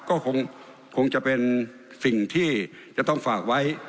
ก็คงจะเป็นสิ่งที่จะต้องฝากไว้